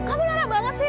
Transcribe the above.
kamu nara banget sih riz